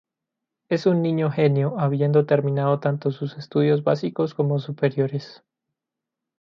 Es un niño genio, habiendo terminado tanto sus estudios básicos como superiores.